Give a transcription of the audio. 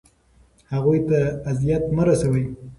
هغوی ته اذیت مه رسوئ.